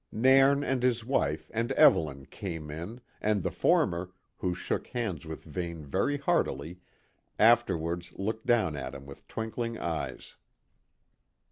Nairn and his wife and Evelyn came in, and the former, who shook hands with Vane very heartily, afterwards looked down at him with twinkling eyes.